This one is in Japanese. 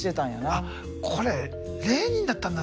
あっこれレーニンだったんだ！